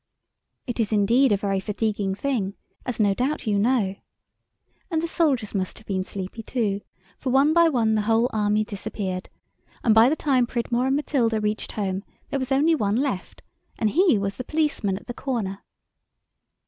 It is indeed a very fatiguing thing, as no doubt you know. And the soldiers must have been sleepy too, for one by one the whole Army disappeared, and by the time Pridmore and Matilda reached home there was only one left, and he was the policeman at the corner.